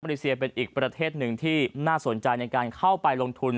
เลเซียเป็นอีกประเทศหนึ่งที่น่าสนใจในการเข้าไปลงทุน